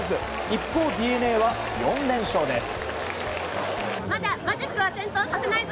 一方、ＤｅＮＡは４連勝です。